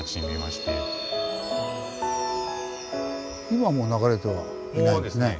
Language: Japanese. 今もう流れてはいないんですね。